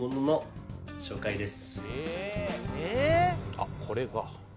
あっこれが。